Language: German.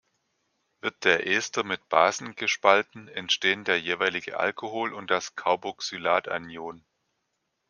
Wird der Ester mit Basen gespalten, entstehen der jeweilige Alkohol und das Carboxylat-Anion.